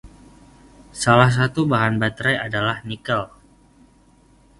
Salah satu bahan baterai adalah nikel.